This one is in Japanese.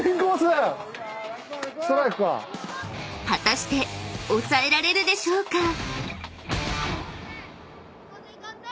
［果たして抑えられるでしょうか？］